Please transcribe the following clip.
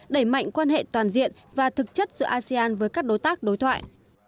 đẩy mạnh quan hệ toàn diện và thực chất giữa asean với các đối tác đối thoại